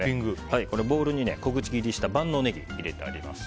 このボウルに小口切りした万能ネギ入れてあります。